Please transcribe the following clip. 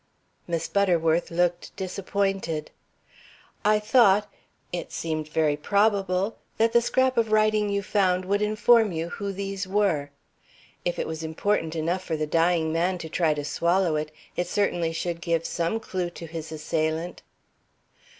Miss Butterworth looked disappointed. "I thought it seemed very probable that the scrap of writing you found would inform you who these were. If it was important enough for the dying man to try to swallow it, it certainly should give some clew to his assailant."